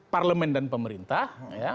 parlemen dan pemerintah